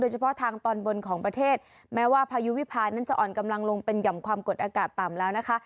เฉพาะทางตอนบนของประเทศแม้ว่าพายุวิพานั้นจะอ่อนกำลังลงเป็นหย่อมความกดอากาศต่ำแล้วนะคะ